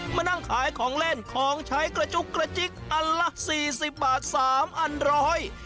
มานั่งขายของเล่นของใช้กระจุกกระจิ๊กอันละสี่สิบบาทสามอันร้อย